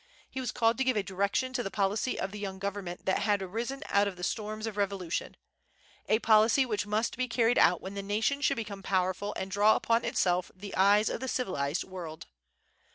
He was called to give a direction to the policy of the young government that had arisen out of the storms of revolution, a policy which must be carried out when the nation should become powerful and draw upon itself the eyes of the civilized world.